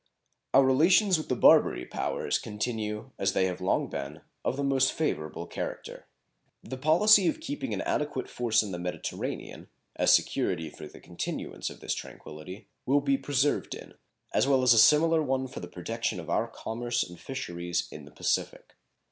Our relations with the Barbary Powers continue, as they have long been, of the most favorable character. The policy of keeping an adequate force in the Mediterranean, as security for the continuance of this tranquillity, will be persevered in, as well as a similar one for the protection of our commerce and fisheries in the Pacific.